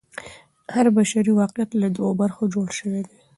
هر بشري واقعیت له دوو برخو جوړ سوی دی.